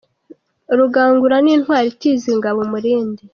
Rugangura ni intwari itiza ingabo umurindi.